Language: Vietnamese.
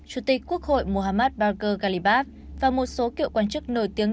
chủ tịch quốc hội mohammad bargir galibaf và một số kiệu quan chức nổi tiếng